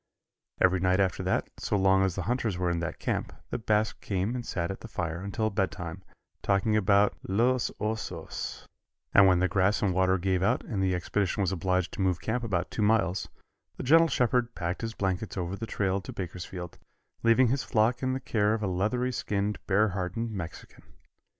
Every night after that, so long as the hunters were in that camp, the Basque came and sat at the fire until bedtime, talking about los osos, and when the grass and water gave out and the expedition was obliged to move camp about two miles, the gentle shepherd packed his blankets over the trail to Bakersfield, leaving his flock in the care of a leathery skinned bear hardened Mexican.